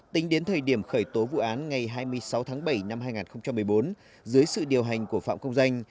tính đến thời điểm khởi tố vụ án ngày hai mươi sáu tháng bảy năm hai nghìn một mươi bốn dưới sự điều hành của phạm công danh